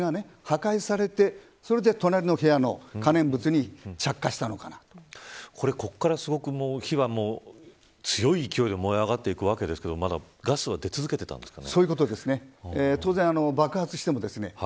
爆発によって壁が破壊されてそれで隣の部屋の可燃物にここから火は強い勢いで燃え上がっていくわけですけれどまだ、ガスは出続けていたんですかね。